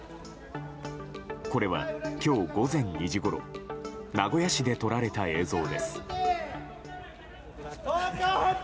これは今日午前２時ごろ名古屋市で撮られた映像です。